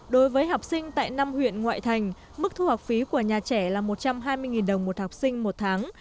đối với học sinh tại năm huyện ngoại thành mức thu học phí của nhà trẻ là một trăm hai mươi đồng một học sinh một tháng